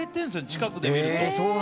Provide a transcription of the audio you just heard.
近くで見ると。